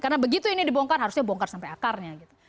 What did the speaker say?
karena begitu ini dibongkar harusnya dibongkar sampai akarnya gitu